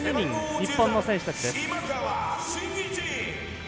日本の選手たちです。